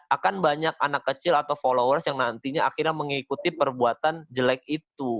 akan banyak anak kecil atau followers yang nantinya akhirnya mengikuti perbuatan jelek itu